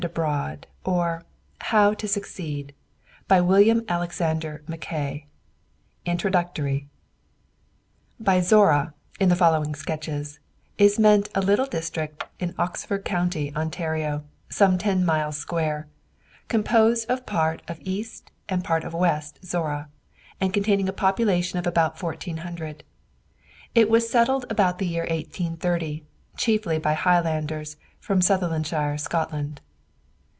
PASTOR OF ZORRA CONGREGATION ZORRA BOYS AT HOME AND ABROAD INTRODUCTORY By Zorra, in the following sketches, is meant a little district in Oxford county, Ontario, some ten miles square, composed of part of East and part of West Zorra, and containing a population of about fourteen hundred. It was settled about the year 1830, chiefly by Highlanders from Sutherlandshire, Scotland.